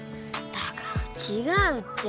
だから違うって